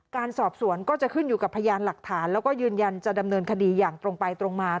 การสอบสวนก็จะขึ้นอยู่กับพยานหลักฐานแล้วก็ยืนยันจะดำเนินคดีอย่างตรงไปตรงมา